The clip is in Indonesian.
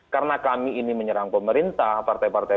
karena kami ini menyerang pemerintah partai partai